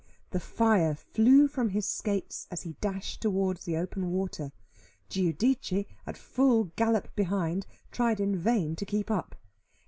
The fire flew from his skates as he dashed towards the open water. Giudice, at full gallop behind, tried in vain to keep up.